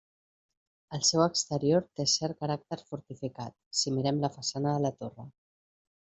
El seu exterior té cert caràcter fortificat, si mirem la façana de la torre.